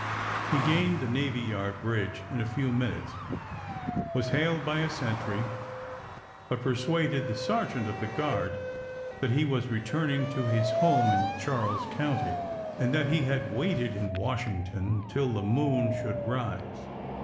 He gained the navy yard bridge in a few minutes, was hailed by a sentry, but per suaded the sergeant of the guard that he was returning to his home in Charles County, and that he had waited in Washington till the moon should rise.